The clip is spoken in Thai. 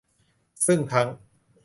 ซึ่งทั้ง